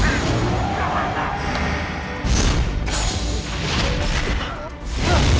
kamu bawa tasunnya ampun